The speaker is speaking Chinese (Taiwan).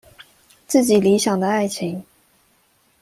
自己理想的愛情